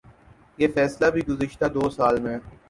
یہ فیصلہ بھی گزشتہ دو سال میں